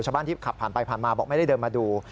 ที่ขับผ่านไปผ่านมาบอกไม่ได้เดินมาดู